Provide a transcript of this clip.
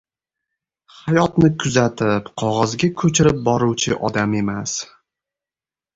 hayotni kuzatib, qogʻozga koʻchirib boruvchi odam emas.